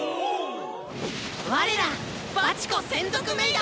我らバチコ専属メイド！